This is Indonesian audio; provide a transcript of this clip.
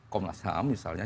komnas ham misalnya